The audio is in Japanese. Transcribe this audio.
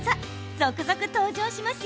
続々登場しますよ。